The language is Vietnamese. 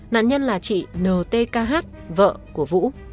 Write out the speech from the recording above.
nạn nhân là chị n t k h vợ của vũ